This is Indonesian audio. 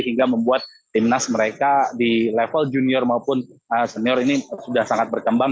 hingga membuat timnas mereka di level junior maupun senior ini sudah sangat berkembang